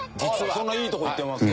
そんないいとこいってますか？